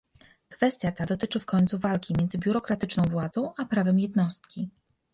Kwestia ta dotyczy w końcu walki między biurokratyczną władzą a prawem jednostki